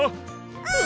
うん！